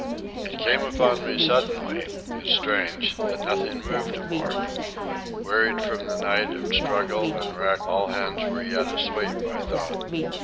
It came upon me suddenly, as strange, that nothing moved aboard. Wearied from the night of struggle and wreck, all hands were yet asleep, I thought.